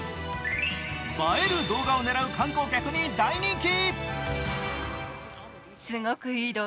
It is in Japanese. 映える動画を狙う観光客に大人気。